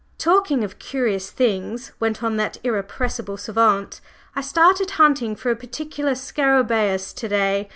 "Talking of curious things," went on that irrepressible savant, "I started hunting for a particular scarabeus to day.